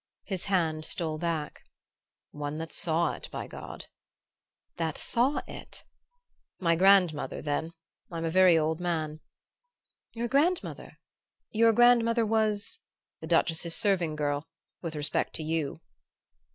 His hand stole back. "One that saw it, by God!" "That saw it?" "My grandmother, then. I'm a very old man." "Your grandmother? Your grandmother was ?" "The Duchess's serving girl, with respect to you."